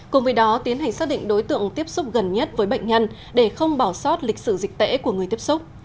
cùng với đó tiến hành xác định đối tượng tiếp xúc gần nhất với bệnh nhân để không bỏ sót lịch sử dịch tễ của người tiếp xúc